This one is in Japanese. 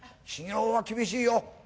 修行は厳しいよ？